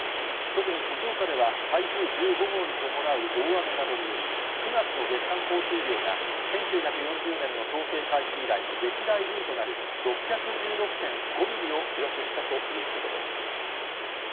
特に静岡では、台風１５号に伴う大雨などにより、９月の月間降水量が、歴代２位となる６１６．５ミリを記録したということです。